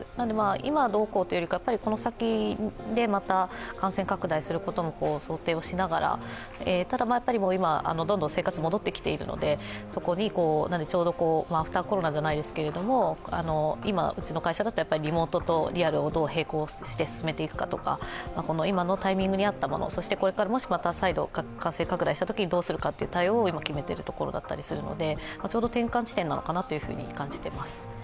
今どうこうというよりは、この先でまた感染拡大することも想定をしながら、ただ今、どんどん生活が戻ってきているのでそこにちょうどアフター・コロナじゃないですけれども、今、うちの会社だったらリモートとリアルをどう並行して進めていくかとか、今のタイミングに合ったもの、そしてこれから、もしまた再度、感染拡大したときにどうするかを対応を今、決めてるところだったりするのでちょうど転換地点なのかなと感じています。